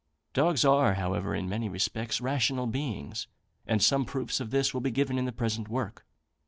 Dogs are, however, in many respects, rational beings; and some proofs of this will be given in the present work.